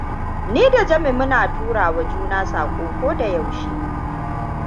Ni da Jami muna tura wa juna sako ko da yaushe.